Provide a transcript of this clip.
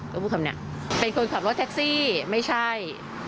ก็พูดคำนี้เป็นคนขับรถแท็กซี่ไม่ใช่